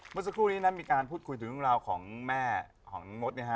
เมื่อสักครู่นี้นะมีการพูดคุยถึงเรื่องราวของแม่ของน้องมดนะฮะ